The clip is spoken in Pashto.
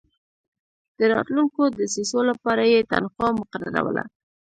د راتلونکو دسیسو لپاره یې تنخوا مقرروله.